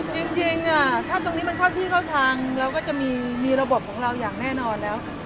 จริงถ้าตรงนี้มันเข้าที่เข้าทางเราก็จะมีระบบของเราอย่างแน่นอนแล้ว